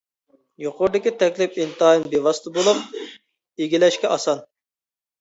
يۇقىرىدىكى تەكلىپ ئىنتايىن بىۋاسىتە بولۇپ، ئىگىلەشكە ئاسان.